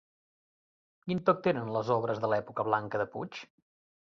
Quin toc tenen les obres de l'època blanca de Puig?